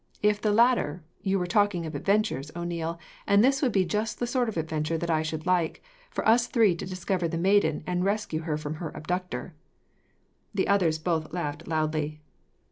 If the latter, you were talking of adventures, O'Neil, and this would be just the sort of adventure that I should like; for us three to discover the maiden, and rescue her from her abductor." The others both laughed loudly.